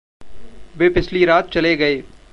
वे पिछली रात चले गये।